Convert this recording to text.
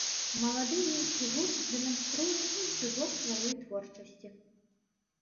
Малады мінскі гурт дэманструе іншы бок сваёй творчасці.